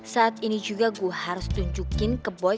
saat ini juga gue harus tunjukin ke boy